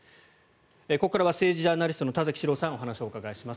ここからは政治ジャーナリストの田崎史郎さんにお話をお伺いします。